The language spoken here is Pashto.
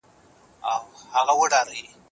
تر لمانځه وروسته بېرته د ناستې ځای ته ورسئ.